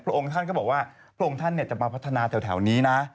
องค์ท่านก็บอกว่าพระองค์ท่านจะมาพัฒนาแถวนี้นะ